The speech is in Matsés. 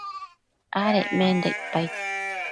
adecmenda icpaid